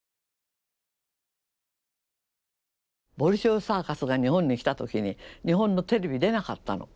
ボリショイサーカスが日本に来た時に日本のテレビ出なかったの。